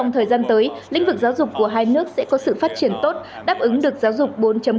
thời gian tới lĩnh vực giáo dục của hai nước sẽ có sự phát triển tốt đáp ứng được giáo dục bốn